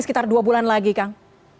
sekitar dua bulan lagi kang